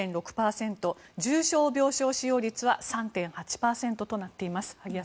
重症病床使用率は３．８％となっています。